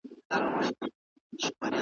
واوري دي اوري زموږ پر بامونو ,